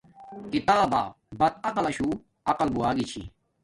کتاب با بد عقل لشو عقل بُووگی چھی